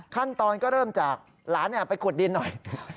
ขั้นตอนก็เริ่มจากหลานไปขุดดินหน่อย